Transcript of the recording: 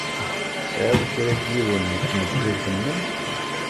Tesɛid kra n yiwen n tmeddurt-nnem?